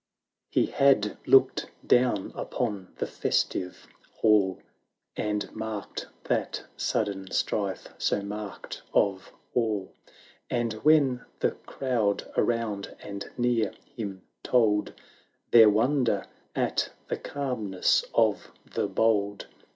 XXVIII. He had looked down upon the festive hall. And marked that sudden strife so marked of all: And when the crowd around and near him told Their wonder at the calmness of the bold.